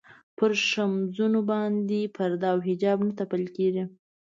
پر ښځمنو باندې پرده او حجاب نه تپل کېږي.